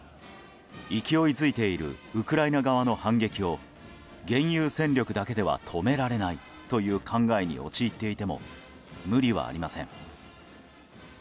勢いづいているウクライナ側の反撃を現有戦力だけでは止められないという考えに陥っていても無理はありません。